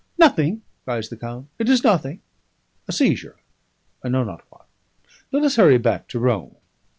'Nothing,' cries the count. 'It is nothing. A seizure, I know not what. Let us hurry back to Rome.'